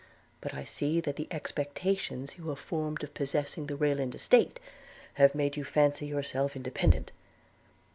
But I see that the expectations you have formed of possessing the Rayland estate, have made you fancy yourself independent.'